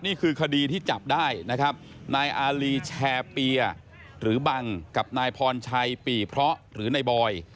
นี่คือคดีที่จับได้นะครับนายอารีแชร์เปียหรือบังกับนายพรชัยปี่เพราะหรือนายบอย